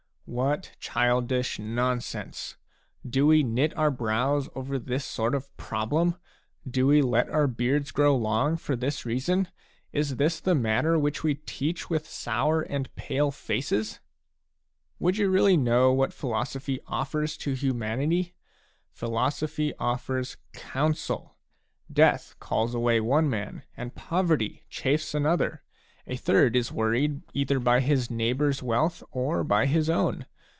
What childish non sense ! Do we knit our brows over this sort of problem ? Do we let our beards grow long for this reason? Is this the matter which we teach with sour and pale faces ? Would you really know what philosophy offers to humanity ? Philosophy offers counsel. Death calls away one man, and poverty chafes another ; a third is worried either by his neighbour's wealth or by his own.